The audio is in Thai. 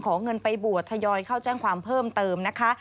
เงินไปบวชทยอยเข้าแจ้งความเพิ่มเติมนะคะ